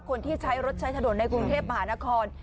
คนที่ใช้รถใช้ถนนในกรุงเทพมหานคร